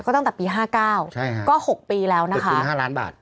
ก็ตั้งแต่ปี๕๙ก็๖ปีแล้วนะคะปี๕ล้านบาท